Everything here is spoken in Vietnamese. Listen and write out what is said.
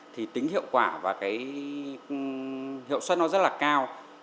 thì tính hiệu quả và cái hiệu suất nó rất là cao